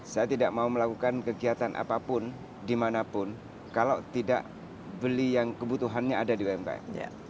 saya tidak mau melakukan kegiatan apapun dimanapun kalau tidak beli yang kebutuhannya ada di umkm